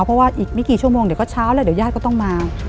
เพราะว่าอีกไม่กี่ชั่วโมงเดี๋ยวก็เช้าแล้วเดี๋ยวญาติก็ต้องมา